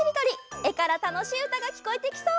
えからたのしいうたがきこえてきそう！